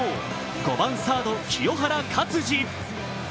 ５番・サード、清原勝児。